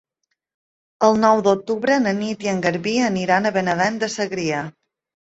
El nou d'octubre na Nit i en Garbí aniran a Benavent de Segrià.